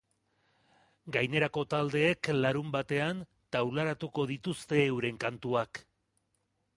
Gainerako taldeek larunbatean taularatuko dituzte euren kantuak.